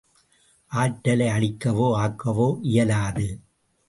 ஆற்றலை அழிக்கவோ ஆக்கவோ இயலாது.